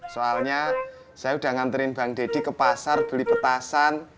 soalnya saya udah nganterin bang deddy ke pasar beli petasan